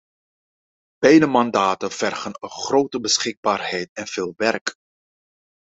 Beide mandaten vergen een grote beschikbaarheid en veel werk.